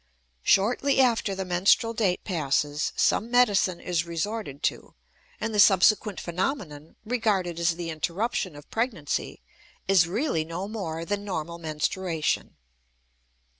Shortly after the menstrual date passes, some medicine is resorted to, and the subsequent phenomenon, regarded as the interruption of pregnancy, is really no more than normal menstruation.